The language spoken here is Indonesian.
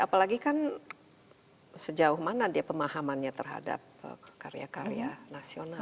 apalagi kan sejauh mana dia pemahamannya terhadap karya karya nasional